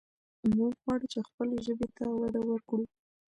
موږ غواړو چې خپلې ژبې ته وده ورکړو.